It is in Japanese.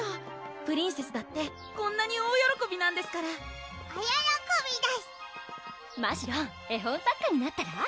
プリンセスだってこんなに大よろこびなんですからおよろこびですましろん絵本作家になったら？